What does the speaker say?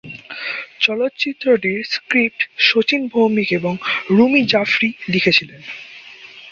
চলচ্চিত্রটির স্ক্রিপ্ট শচীন ভৌমিক এবং রুমি জাফরি লিখেছিলেন।